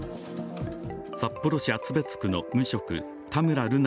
札幌市厚別区の無職田村瑠奈